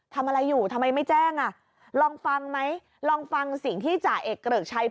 ทำอะไรอยู่ทำไมไม่แจ้งอ่ะลองฟังไหมลองฟังสิ่งที่จ่าเอกเกริกชัย